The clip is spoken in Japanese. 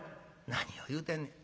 「何を言うてんねん。